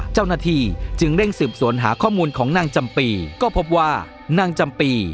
เจ้าหน้าที่จึงเร่งสืบสวนหาข้อมูลของนางจำปีก็พบว่านางจำปี